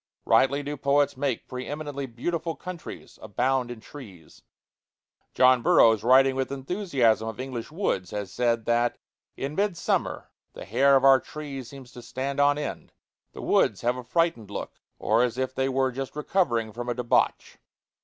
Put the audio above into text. Rightly do poets make pre eminently beautiful countries abound in trees. John Burroughs, writing with enthusiasm of English woods, has said that "in midsummer the hair of our trees seems to stand on end; the woods have a frightened look, or as if they were just recovering from a debauch."